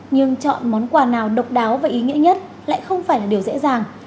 nhưng chọn món quà nào độc đáo và ý nghĩa nhất lại không phải là điều dễ dàng